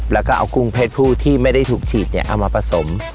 แล้วก็เอากุ้งเพศผู้ที่ไม่ได้ถูกฉีดเอามาผสม